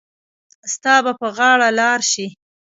ستا به په غاړه لار شي.